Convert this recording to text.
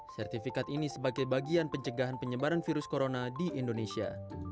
sertifikat ini sebagai bagian pencegahan penyebaran virus corona di indonesia